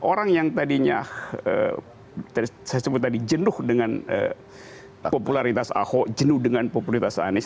orang yang tadinya saya sebut tadi jenuh dengan popularitas ahok jenuh dengan popularitas anies